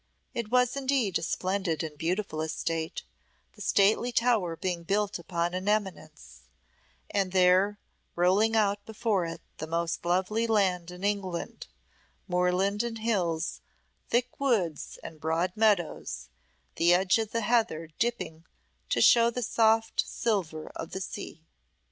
It was indeed a splendid and beautiful estate, the stately tower being built upon an eminence, and there rolling out before it the most lovely land in England, moorland and hills, thick woods and broad meadows, the edge of the heather dipping to show the soft silver of the sea.